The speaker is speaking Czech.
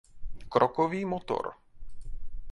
Krokový motor